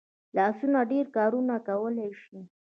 لاسونه ډېر کارونه کولی شي